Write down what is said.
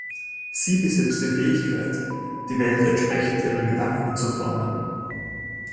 Sie besitzt die Fähigkeit die Welt entsprechend ihrer Gedanken zu formen.